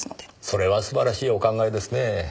それは素晴らしいお考えですねぇ。